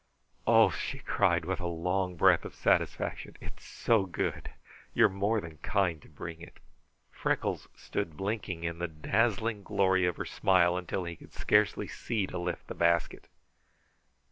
"Oh!" she cried, with a long breath of satisfaction. "It's so good! You are more than kind to bring it!" Freckles stood blinking in the dazzling glory of her smile until he scarcely could see to lift the basket.